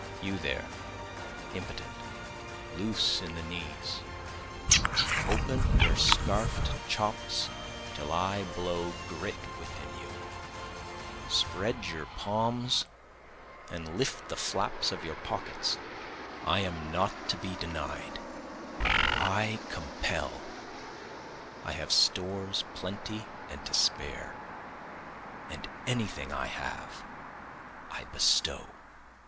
You there, impotent, loose in the knees, Open your scarf'd chops till I blow grit within you, Spread your palms and lift the flaps of your pockets, I am not to be denied, I compel, I have stores plenty and to spare, And any thing I have I bestow.